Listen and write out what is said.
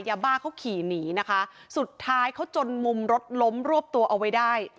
ยาบ้าเขาขี่หนีนะคะสุดท้ายเขาจนมุมรถล้มรวบตัวเอาไว้ได้